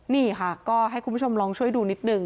นี่ค่ะก็ให้คุณผู้ชมลองช่วยดูนิดนึง